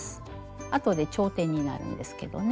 あとで頂点になるんですけどね。